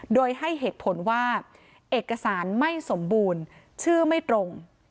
โดยให้เหตุผลว่าเอกสารไม่สมบูรณ์ชื่อไม่ตรง